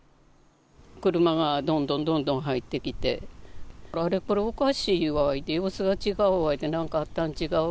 車がどんどんどんどん入ってきて、あれ、これおかしいわ言うて、様子が違うわ言うて、なんかあったん違う？